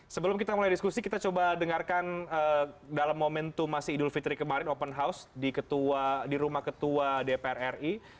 sebelum kita mulai diskusi kita coba dengarkan dalam momentum masih idul fitri kemarin open house di rumah ketua dpr ri